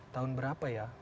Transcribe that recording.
tahun berapa ya